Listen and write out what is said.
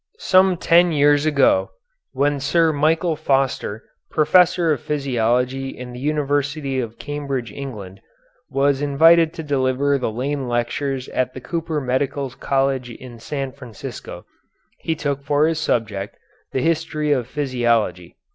Some ten years ago, when Sir Michael Foster, professor of physiology in the University of Cambridge, England, was invited to deliver the Lane Lectures at the Cooper Medical College in San Francisco, he took for his subject "The History of Physiology."